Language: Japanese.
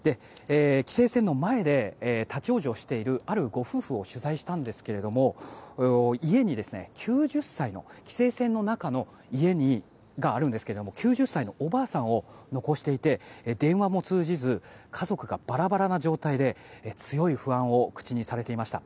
規制線の前で立ち往生しているあるご夫婦を取材したんですけども家に９０歳の規制線の中に家があるんですけど９０歳のおばあさんを残していて電話も通じず家族がバラバラな状態で強い不安を口にされていました。